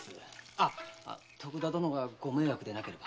あっ徳田殿がご迷惑でなければ。